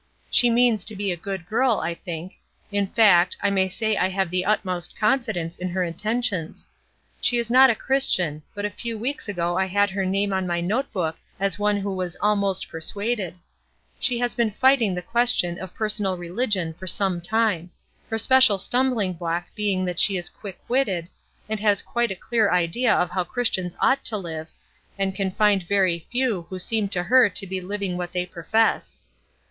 She means to be a good girl, I think: in fact, I may say I have the utmost confidence in her intentions. She is not a Christian, but a few weeks ago I had her name on my note book as one who was almost persuaded, She has been fighting the question of personal religion for some time, her special stumbling block being that she is quick witted, and has quite a clear idea of how Christians ought to live, and can find very few who seem to her to be living what they profess.